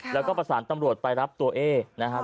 แล้วก็ประสานตำรวจไปรับตัวเอ๊นะครับ